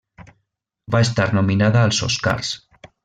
Va estar nominada als Oscars.